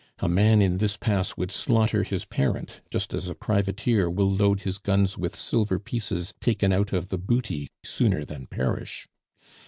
A man in this pass would slaughter his parent, just as a privateer will load his guns with silver pieces taken out of the booty sooner than perish.